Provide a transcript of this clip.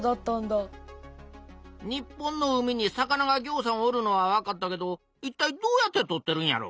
日本の海に魚がぎょうさんおるのはわかったけどいったいどうやって取ってるんやろ？